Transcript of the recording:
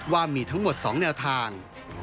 ว่ามีทั้งหมด๒แนวทาง